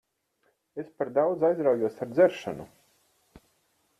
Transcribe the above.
Es par daudz aizraujos ar dzeršanu.